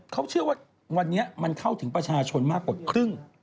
เขาเชื่อว่าวันนี้มันเข้าถึงประชาชนมากกว่าครึ่ง